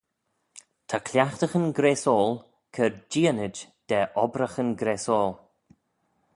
Ta cliaghtaghyn graysoil, cur jeeanid da obraghyn graasoil.